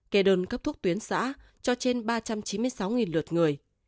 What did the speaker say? kê đơn cấp thuốc tuyến xã cho trên ba trăm chín mươi sáu lượt người